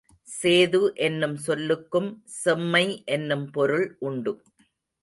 சேது என்னும் சொல்லுக்கும் செம்மை என்னும் பொருள் உண்டு.